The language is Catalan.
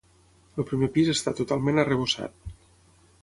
El primer pis està totalment arrebossat.